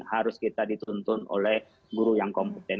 harus kita dituntun oleh guru yang kompeten